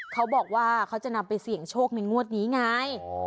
เขาบอกว่าเขาจะนำไปเสี่ยงโชคในงวดนี้ไง